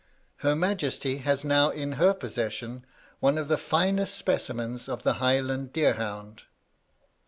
Her Majesty has now in her possession one of the finest specimens of the Highland deer hound.